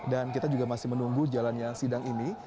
dan kita juga masih menunggu jalannya sidang ini